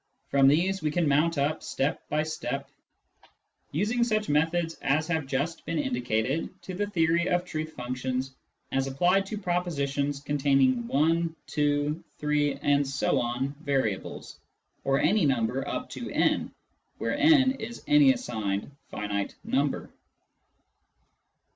From these we can mount up step by step, using such methods as have just been indicated, to the theory of truth functions as applied to propositions containing one, two, three ... variables, or any number up to n, where n is any assigned finite number.